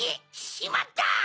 しまった！